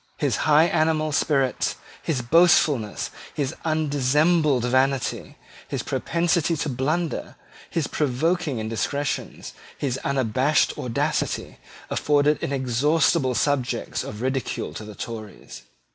His high animal spirits, his boastfulness, his undissembled vanity, his propensity to blunder, his provoking indiscretion, his unabashed audacity, afforded inexhaustible subjects of ridicule to the Tories.